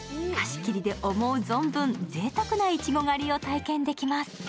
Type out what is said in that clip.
貸し切りで思う存分、ぜいたくないちご狩りを体験できます。